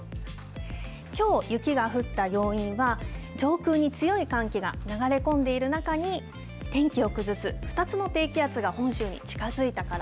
きょう雪が降った要因は、上空に強い寒気が流れ込んでいる中に、天気を崩す２つの低気圧が本州に近づいたから。